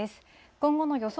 今後の予想